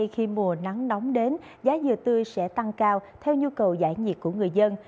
khi mùa nắng nóng đến giá dừa tươi sẽ tăng cao theo nhu cầu giải nhiệt của người dân